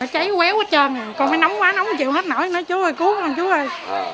cháy quéo hết trơn còn phải nóng quá nóng chịu hết nổi nói chú ơi cứu con chú ơi